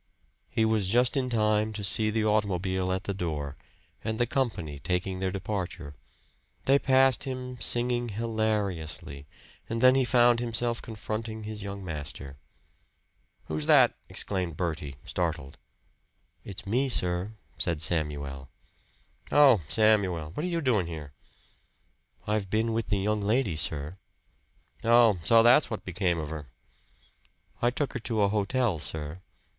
He was just in time to see the automobile at the door, and the company taking their departure. They passed him, singing hilariously; and then he found himself confronting his young master. "Who's that?" exclaimed Bertie, startled. "It's me, sir," said Samuel. "Oh! Samuel! What are you doing here?" "I've been with the young lady, sir." "Oh! So that's what became of her!" "I took her to a hotel, sir."